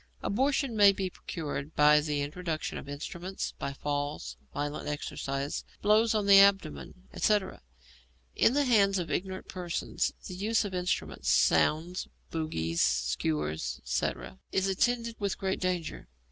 Abortion may be procured by the introduction of instruments, by falls, violent exercise, blows on the abdomen, etc. In the hands of ignorant persons the use of instruments (sounds, bougies, skewers, etc.) is attended with great danger.